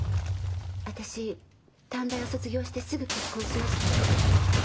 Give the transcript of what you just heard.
私短大を卒業してすぐ結婚しました。